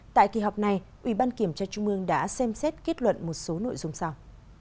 tại kỳ họp này ubkt đã xem xét kết luận một số nội dung sau